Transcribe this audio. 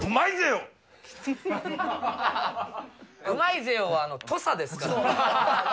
うまいぜよは、土佐ですから。